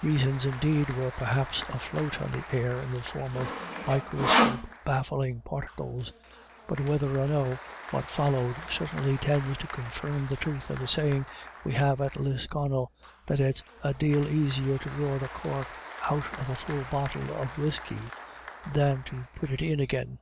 Reasons, indeed, were perhaps afloat on the air in the form of microscope baffling particles; but whether or no, what followed certainly tends to confirm the truth of a saying we have at Lisconnel : that it's a dale aisier to draw the cork out of a full botfle of whiskey than to put it in agin.